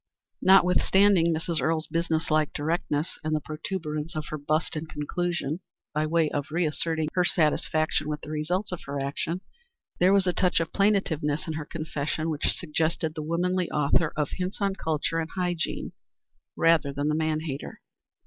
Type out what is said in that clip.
Notwithstanding Mrs. Earle's business like directness and the protuberance of her bust in conclusion, by way of reasserting her satisfaction with the results of her action, there was a touch of plaintiveness in her confession which suggested the womanly author of "Hints on Culture and Hygiene," rather than the man hater.